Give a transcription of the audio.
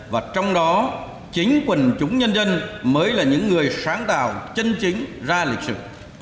và trong đó chính quần chúng nhân dân mới là những người sáng tạo chân chính ra lịch sử